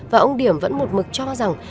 và ông điểm vẫn một mực cho rằng